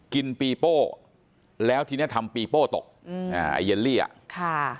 กินปีโป้แล้วทีนี้ทำปีโป้ตกไอ้เยลลี่อะ